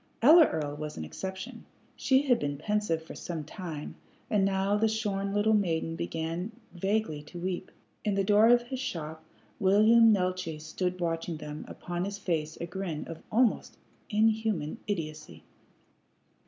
Ella Earl was an exception. She had been pensive for some time, and now the shorn little maiden began vaguely to weep. In the door of his shop William Neeltje stood watching them, upon his face a grin of almost inhuman idiocy.